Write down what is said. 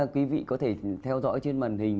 quý vị có thể theo dõi trên màn hình